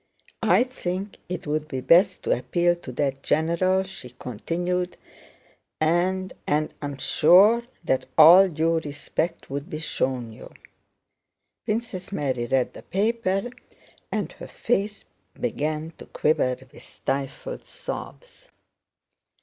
"I think it would be best to appeal to that general," she continued, "and I am sure that all due respect would be shown you." Princess Mary read the paper, and her face began to quiver with stifled sobs.